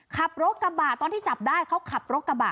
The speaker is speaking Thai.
ขับรถกระบะตอนที่จับได้เขาขับรถกระบะ